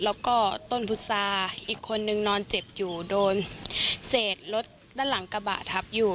แล้วก็ต้นพุษาอีกคนนึงนอนเจ็บอยู่โดนเศษรถด้านหลังกระบะทับอยู่